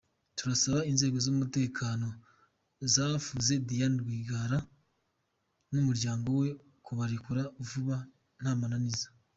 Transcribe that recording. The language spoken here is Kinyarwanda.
Turasaba inzego z’umutekano zafuze Diane Rwigara n’umuryango we kubarekura vuba, ntamananiza.